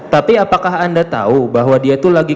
tapi apakah anda tahu bahwa dia itu lagi